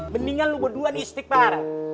mendingan lo berdua nih istighfar